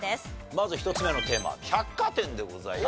まず１つ目のテーマは百貨店でございます。